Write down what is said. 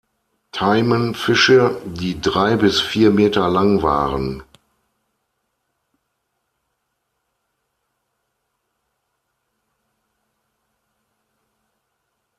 Taimen-Fische, die drei bis vier Meter lang waren.